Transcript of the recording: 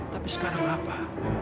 tapi sekarang apa